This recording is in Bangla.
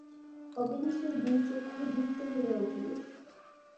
অবিনাশের দুই চক্ষু দীপ্ত হইয়া উঠিল।